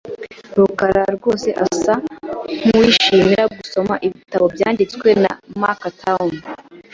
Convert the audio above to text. rukara rwose asa nkuwishimira gusoma ibitabo byanditswe na Mark Twain .